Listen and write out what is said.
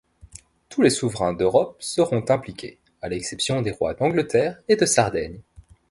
Tous les souverains d’Europe seront impliqués, à l’exception des rois d’Angleterre et de Sardaigne.